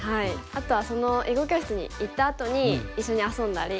あとは囲碁教室に行ったあとに一緒に遊んだり。